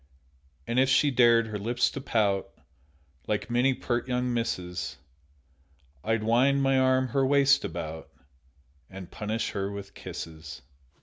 And if she dared her lips to pout, Like many pert young misses, I'd wind my arm her waist about And punish her with kisses.